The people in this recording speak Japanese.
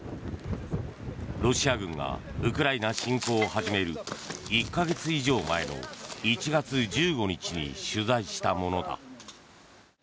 ロシア軍がウクライナ侵攻を始める１か月以上前の１月１５日に取材したものだ。